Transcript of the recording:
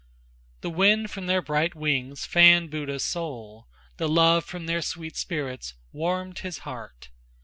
The wind from their bright wings fanned Buddha's soul, The love from their sweet spirits warmed his heart.